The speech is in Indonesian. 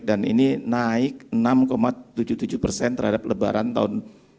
dan ini naik enam tujuh puluh tujuh persen terhadap lebaran tahun dua puluh dua